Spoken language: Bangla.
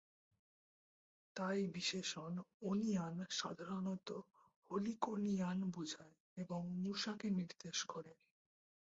তাই বিশেষণ "অোনিয়ান" সাধারণত "হেলিকোনিয়ান" বোঝায় এবং মুসাকে নির্দেশ করে।